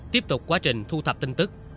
tiếp tục quá trình thu thập tin tức